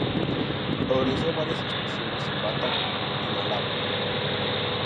Organizó varias exposiciones en Bata y Malabo.